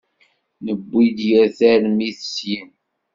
Newwi-d yir tarmit syin.